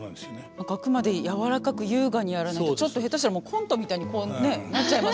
あくまで柔らかく優雅にやらないとちょっと下手したらコントみたいにこうねなっちゃいますもんね。